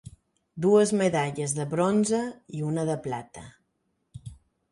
Dues medalles de bronze i una de plata.